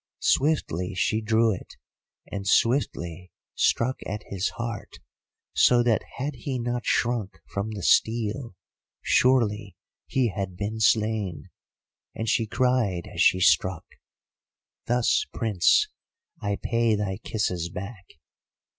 Swiftly she drew it, and swiftly struck at his heart, so that had he not shrunk from the steel surely he had been slain; and she cried as she struck, 'Thus, Prince, I pay thy kisses back.